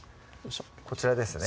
こちらですね